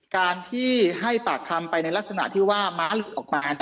การที่ให้ปากคำไปในลักษณะที่ว่าม้าหลุดออกมา